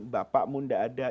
bapakmu tidak ada